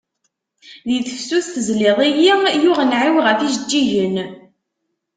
Di tefsut tezliḍ-iyi, yuɣ nnɛi-w ɣef ijeǧǧigen.